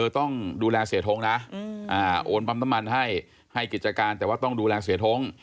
ต้องดูแลเสียท้งนะโอนปั๊มน้ำมันให้ให้กิจการแต่ว่าต้องดูแลเสียท้ง